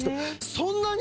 「そんなに！？」